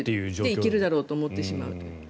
行けるだろうと思ってしまう。